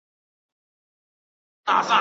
یو سئ.